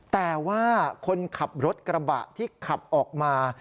แต่ว่าคนขับรถกระบะที่ขับออกมา